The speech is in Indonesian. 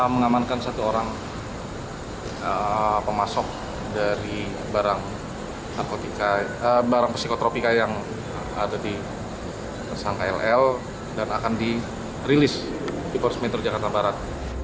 mengamankan satu orang pemasok dari barang psikotropika yang ada di tersangka ll dan akan dirilis di polres metro jakarta barat